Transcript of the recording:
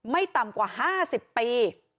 ไม่ต่ำกว่า๕๐ปี